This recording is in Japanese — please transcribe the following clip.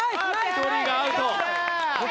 １人がアウト。